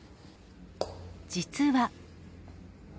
実は。